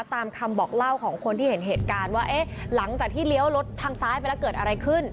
ตามคำบอกเล่าของคนที่เห็นเหตุการณ์ว่าเอ๊ะหลังจากที่เลี้ยวรถทางซ้ายไปแล้วเกิดอะไรขึ้น